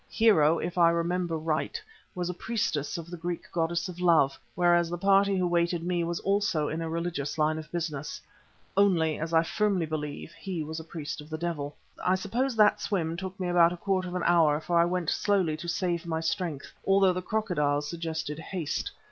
Hero, if I remember right, was a priestess of the Greek goddess of love, whereas the party who waited me was also in a religious line of business. Only, as I firmly believe, he was a priest of the devil. I suppose that swim took me about a quarter of an hour, for I went slowly to save my strength, although the crocodiles suggested haste.